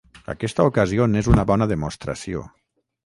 Aquesta ocasió n’és una bona demostració.